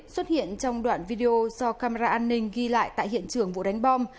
xuất hiện trong đoạn video do camera an ninh ghi lại tại hiện trường vụ đánh bom